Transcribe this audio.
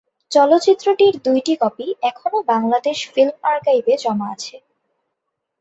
চলচ্চিত্রটির দুইটি কপি এখনো বাংলাদেশ ফিল্ম আর্কাইভে জমা আছে।